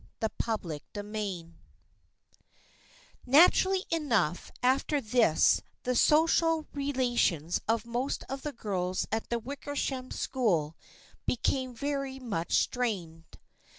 CHAPTER VIII NATURALLY enough after this the social re lations of most of the girls at the Wickersham School became very much strained.